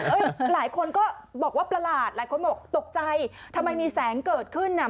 หลายคนก็บอกว่าประหลาดหลายคนบอกตกใจทำไมมีแสงเกิดขึ้นน่ะ